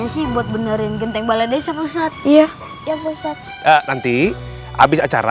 suara siapa itu ya